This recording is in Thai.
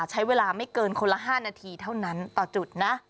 ใช้เวลาไม่เกินคนละ๕นาทีเท่านั้นต่อจุดนะ